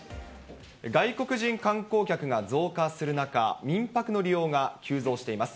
外国人観光客が増加する中、民泊の利用が急増しています。